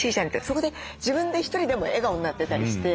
そこで自分で１人でも笑顔になってたりして。